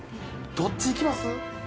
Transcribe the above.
どっち行きます？